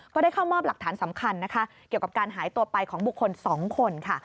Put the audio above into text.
ก็ได้เข้ามอบหลักฐานสำคัญนะคะเกี่ยวกับการหายตัวไปของบุคคล๒คนค่ะ